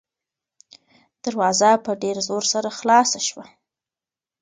دروازه په ډېر زور سره خلاصه شوه.